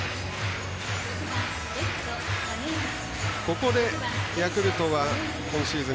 ここでヤクルトは今シーズン